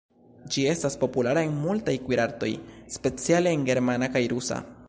Ĝi estas populara en multaj kuirartoj, speciale en germana kaj rusa.